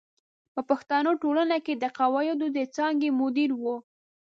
په پښتو ټولنه کې د قواعدو د څانګې مدیر و.